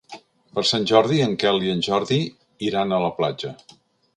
Per Sant Jordi en Quel i en Jordi iran a la platja.